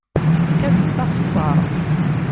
Efk-asent axeṣṣar!